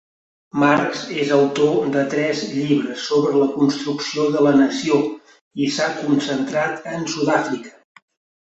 Marx és autor de tres llibres sobre la construcció de la nació i s'ha concentrat en Sudàfrica.